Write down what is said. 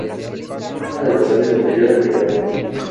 Es una de las aves de mayor envergadura.